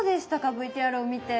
ＶＴＲを見て。